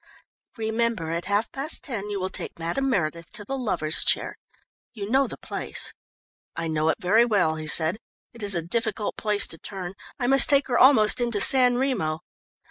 "Remember, at half past ten you will take Madame Meredith to the Lovers' Chair you know the place?" "I know it very well," he said. "It is a difficult place to turn I must take her almost into San Remo.